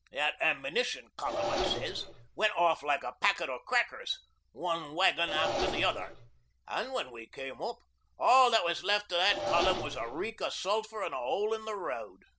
"That Ammunition Column," I sez, "went off like a packet o' crackers, one wagon after the other. An' when we came up, all that was left o' that column was a reek o' sulphur an' a hole in the road."